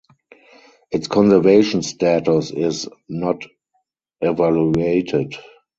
Its conservation status is "Not Evaluated".